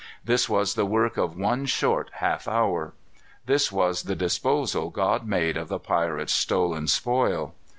This was the work of one short half hour. This was the disposal God made of the pirates' stolen spoil.